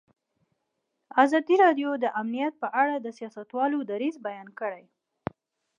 ازادي راډیو د امنیت په اړه د سیاستوالو دریځ بیان کړی.